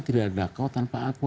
tidak ada kau tanpa apa